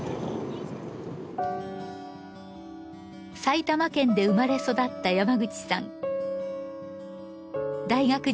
埼玉県で生まれ育った山口さん。